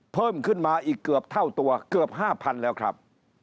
เพิ่มขึ้นมาอีกเกือบเท่าตัวเกือบ๕๐๐๐แล้วครับ